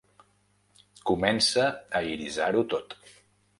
Comença a irisar-ho tot.